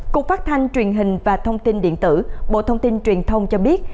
cục phát thanh truyền hình và thông tin điện tử bộ thông tin truyền thông cho biết